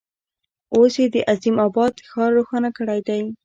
اوس یې د عظیم آباد ښار روښانه کړی دی.